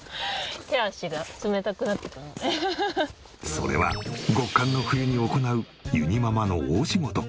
それは極寒の冬に行うゆにママの大仕事。